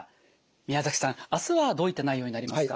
宮崎さん明日はどういった内容になりますか？